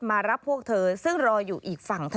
มันเกิดเหตุเป็นเหตุที่บ้านกลัว